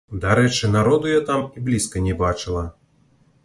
Дарэчы, народу я там і блізка не бачыла.